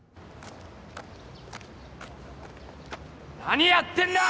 何やってんだ！